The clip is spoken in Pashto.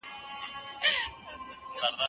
زه مخکي پاکوالي ساتلي وو